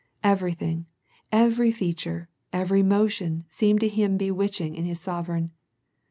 Everything, every feature, every motion seemed to him bewitching in his sovereign.